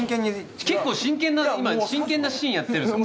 結構真剣な今真剣なシーンやってるんですよ。